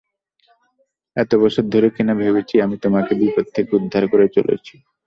এত বছর ধরে কিনা ভেবেছি আমি তোমাকে বিপদ থেকে উদ্ধার করে চলেছি!